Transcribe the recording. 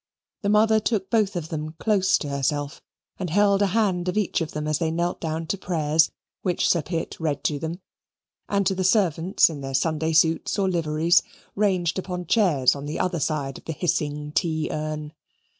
The mother took both of them close to herself, and held a hand of each of them as they knelt down to prayers, which Sir Pitt read to them, and to the servants in their Sunday suits or liveries, ranged upon chairs on the other side of the hissing tea urn.